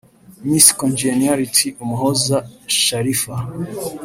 Miss Congeniality Umuhoza Sharifa